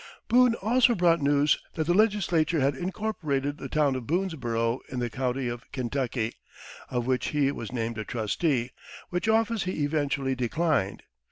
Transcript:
"] Boone also brought news that the legislature had incorporated "the town of Boonesborough in the County of Kentuckey," of which he was named a trustee, which office he eventually declined.